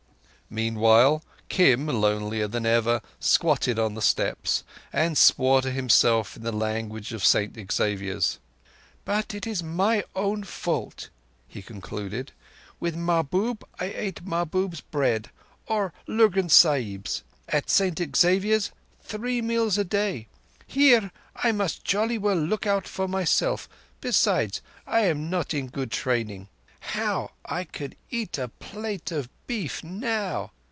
Meantime Kim, lonelier than ever, squatted on the steps, and swore to himself in the language of St Xavier's. "But it is my own fault," he concluded. "With Mahbub, I ate Mahbub's bread, or Lurgan Sahib's. At St Xavier's, three meals a day. Here I must jolly well look out for myself. Besides, I am not in good training. How I could eat a plate of beef now!